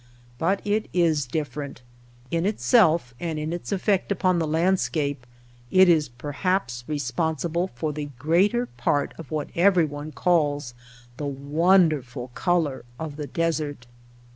But it is different. In itself, and in its effect upon the landscape, it is per haps responsible for the greater part of what everyone calls ^^the wonderful color '^ of the desert.